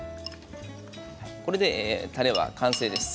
これでたれは完成です。